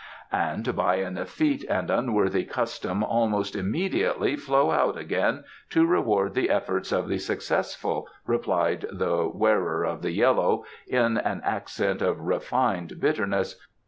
"And by an effete and unworthy custom almost immediately flow out again to reward the efforts of the successful," replied the Wearer of the Yellow in an accent of refined bitterness.